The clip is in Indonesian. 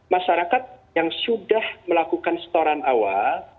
masyarakat yang sudah melakukan setoran awal